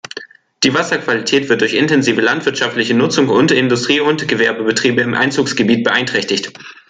Die Wasserqualität wird durch intensive landwirtschaftliche Nutzung und Industrie- und Gewerbebetriebe im Einzugsgebiet beeinträchtigt.